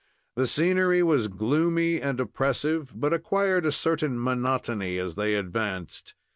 The scenery was gloomy and oppressive, but acquired a certain monotony as they advanced.